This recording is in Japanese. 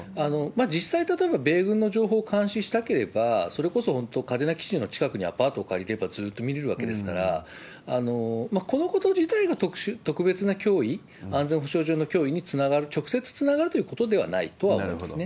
実際、例えば米軍の情報を監視したければ、それこそ本当、嘉手納基地の近くにアパートを借りれば、ずーっと見れるわけですから、このこと自体が特殊、特別な脅威、安全保障上の脅威につながる、直接つながるということではないとは思いますね。